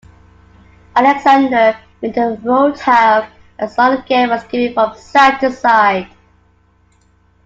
Alexander made the road half as long again by skipping from side to side.